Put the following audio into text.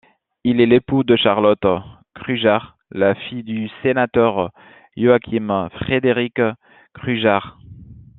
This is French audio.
Il est l'époux de Charlotte Krüger, la fille du sénateur Joachim Friedrich Krüger.